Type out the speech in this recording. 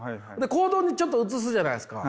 行動にちょっと移すじゃないですか。